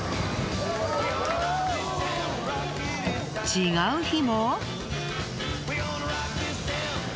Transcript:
違う日も。